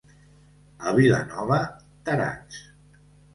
A Vilanova, tarats.